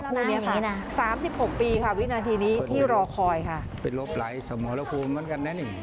พูดแบบนี้๓๖ปีครับวินาทีนี้ที่รอคอยค่ะ